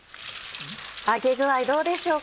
揚げ具合どうでしょうか。